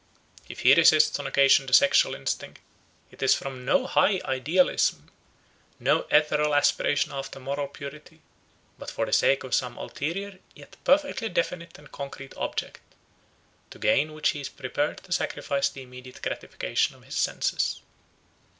If he resists on occasion the sexual instinct, it is from no high idealism, no ethereal aspiration after moral purity, but for the sake of some ulterior yet perfectly definite and concrete object, to gain which he is prepared to sacrifice the immediate gratification of his senses.